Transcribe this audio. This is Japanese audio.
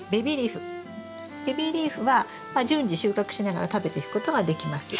ベビーリーフは順次収穫しながら食べていくことができます。